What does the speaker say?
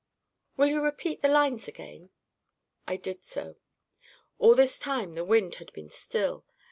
"Will you repeat the lines again?" I did so. All this time the wind had been still.